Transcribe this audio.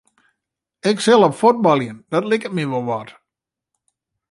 Ik sil op fuotbaljen, dat liket my wol wat.